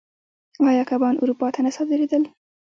آیا کبان اروپا ته نه صادرېدل؟